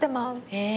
へえ！